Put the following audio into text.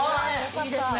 いいですね。